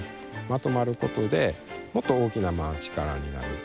まとまることでもっと大きな力になる。